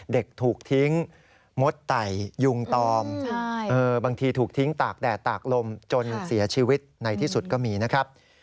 เด็กถูกทิ้งมดไต่ยุงตอมบางทีถูกทิ้งตากแดดตากลมจนเสียชีวิตในที่สุดก็มีนะครับ